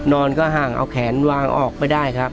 นอนก็ห่างเอาแขนวางออกไปได้ครับ